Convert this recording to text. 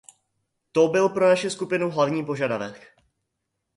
To byl pro naši skupinu hlavní požadavek.